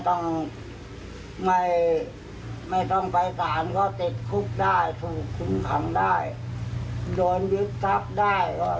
ต้องไม่แปรศาลติดคลุกได้ถูกฉุมคลัมได้โดนยึดทรัพย์ได้